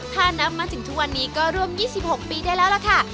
ถ้านับมาถึงทุกวันนี้ก็ร่วม๒๖ปีได้แล้วล่ะค่ะ